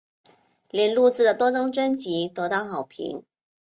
莲录制的多张专辑得到好评。